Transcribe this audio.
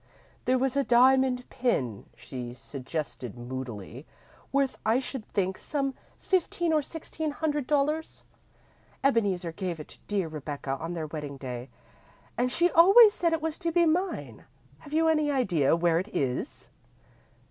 "There was a diamond pin," she suggested, moodily, "worth, I should think, some fifteen or sixteen hundred dollars. Ebeneezer gave it to dear Rebecca on their wedding day, and she always said it was to be mine. Have you any idea where it is?"